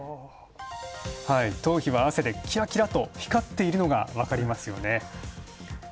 頭皮は汗でキラキラと光っているのがわかりますよね。